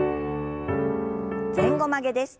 前後曲げです。